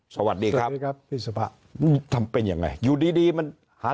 สวัสดีครับสวัสดีครับพี่สุภาพทำเป็นยังไงอยู่ดีดีมันหา